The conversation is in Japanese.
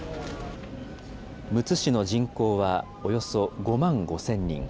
むつ市の人口はおよそ５万５０００人。